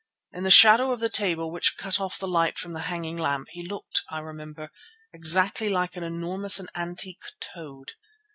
In the shadow of the table which cut off the light from the hanging lamp he looked, I remember, exactly like an enormous and antique toad.